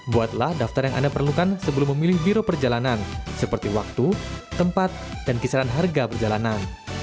buatlah daftar yang anda perlukan sebelum memilih biro perjalanan seperti waktu tempat dan kisaran harga perjalanan